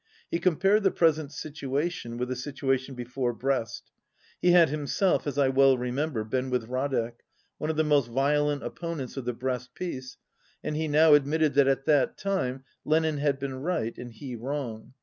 He compared the present situation with the situation before Brest. He had himself (as I well remember) been with Radek, one of the most violent opponents of the Brest peace, and he now admitted that at that time Lenin had been right and he wrong.